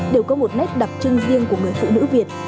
đều có một nét đặc trưng riêng của người phụ nữ việt